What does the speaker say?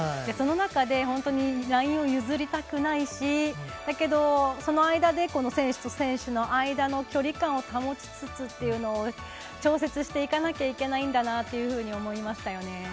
その中でラインを譲りたくないしだけどその間で選手と選手の間の距離感を保ちつつというのを調節していかなきゃいけないんだなって思いましたね。